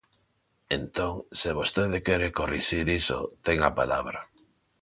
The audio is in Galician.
Entón, se vostede quere corrixir iso, ten a palabra.